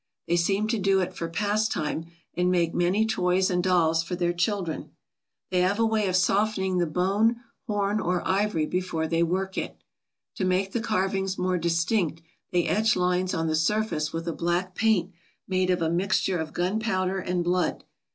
They seem to do it for pas time, and make many toys and dolls for their children. They have a way of softening the bone, horn, or ivory be fore they work it. To make the carvings more distinct they etch lines on the surface with a black paint made of a mixture of gunpowder and blood.